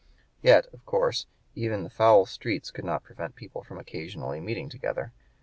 Yet, of course, even the foul streets could not prevent people from occasionally meeting together.